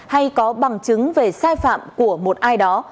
hay có bằng chứng về sai phạm của một ai đó